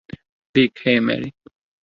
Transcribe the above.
Vicco, hey Mary.